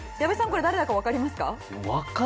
これ誰だかわかりますか？